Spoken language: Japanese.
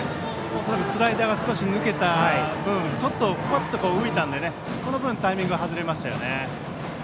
恐らくスライダーが少し抜けた分ちょっと、ふわっと浮いたのでその分、タイミングが外れましたよね。